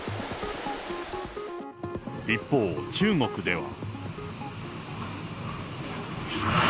一方、中国では。